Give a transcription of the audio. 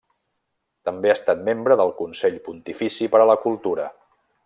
També ha estat membre del Consell Pontifici per a la Cultura.